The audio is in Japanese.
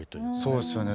そうですよね。